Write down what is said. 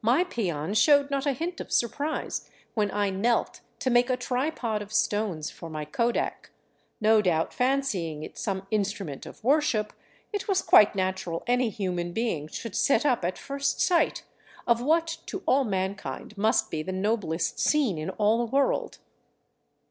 My peon showed not a hint of surprise when I knelt to make a tripod of stones for my kodak, no doubt fancying it some instrument of wor ship it was quite natural any human being should set up at first sight of what to all mankind must be the noblest scene in all the world.